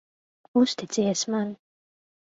Uzticies man.